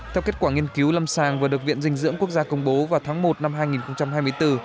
theo kết quả nghiên cứu lâm sàng vừa được viện dinh dưỡng quốc gia công bố vào tháng một năm hai nghìn hai mươi bốn